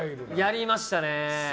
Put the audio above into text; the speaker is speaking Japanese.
やりましたね。